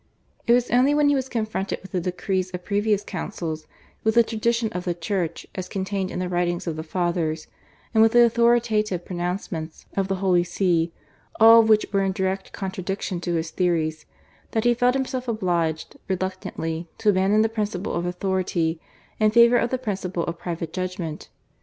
It was only when he was confronted with the decrees of previous councils, with the tradition of the Church as contained in the writings of the Fathers, and with the authoritative pronouncements of the Holy See, all of which were in direct contradiction to his theories, that he felt himself obliged, reluctantly, to abandon the principle of authority in favour of the principle of private judgment.